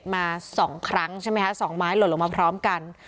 มา๒ครั้งใช่ไหมคะ๒ไม้หล่นลงมาพร้อมกัน